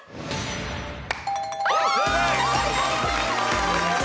正解！